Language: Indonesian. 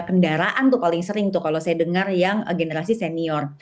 kendaraan tuh paling sering tuh kalau saya dengar yang generasi senior